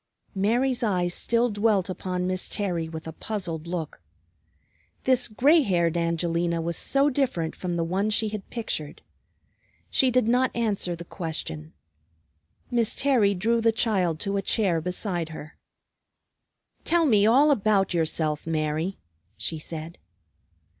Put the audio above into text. Mary's eyes still dwelt upon Miss Terry with a puzzled look. This gray haired Angelina was so different from the one she had pictured. She did not answer the question. Miss Terry drew the child to a chair beside her. "Tell me all about yourself, Mary," she said.